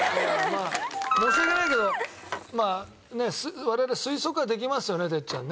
まあ申し訳ないけどまあね我々推測はできますよね哲ちゃんね。